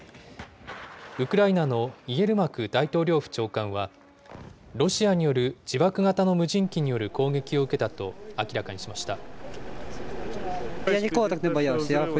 ウクライナのイエルマク大統領府長官は、ロシアによる自爆型の無人機による攻撃を受けたと明らかにしました。